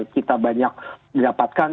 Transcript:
kita banyak dapatkan